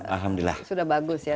alhamdulillah sudah bagus ya